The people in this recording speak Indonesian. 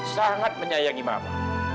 sangat menyayangi mama